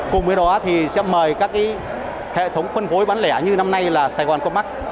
cùng với đó thì sẽ mời các hệ thống phân phối bán lẻ như năm nay là sài gòn comac